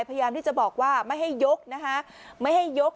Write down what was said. พยายามที่จะบอกว่าไม่ให้ยกนะคะไม่ให้ยก